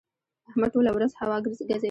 احمد ټوله ورځ هوا ګزوي.